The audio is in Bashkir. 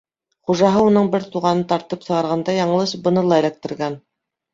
Хужаһы уның бер туғанын тартып сығарғанда яңылыш быны ла эләктергән.